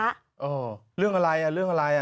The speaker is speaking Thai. เออเรื่องอะไรเรื่องอะไร